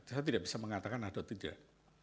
saya tidak bisa mengatakan ada atau tidak